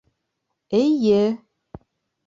— Эйе-е!..